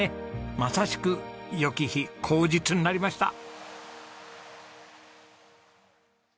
まさしくよき日好日になりました。